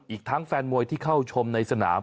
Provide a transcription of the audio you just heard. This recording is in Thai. อีกทั้งแฟนมวยที่เข้าชมในสนาม